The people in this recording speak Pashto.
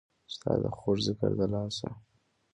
ستا د خوږ ځیګر د لاسه